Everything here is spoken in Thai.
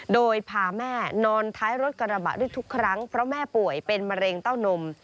โดยพาแม่นอนท้ายรถกระบะด้วยทุกครั้งเพราะแม่ป่วยเป็นมะเร็งเต้านม